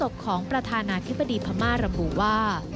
ของประธานาธิบดีพม่าระบุว่า